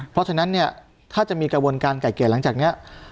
เพราะฉะนั้นเนี่ยถ้าจะมีกระบวนการไก่เกลียดหลังจากนี้